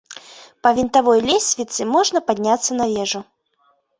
Па вінтавой лесвіцы можна падняцца на вежу.